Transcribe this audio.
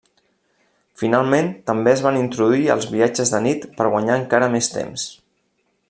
Finalment, també es van introduir els viatges de nit per guanyar encara més temps.